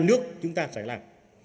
nhà nước chúng ta sẽ làm